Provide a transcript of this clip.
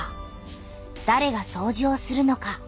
だれがそうじをするのか？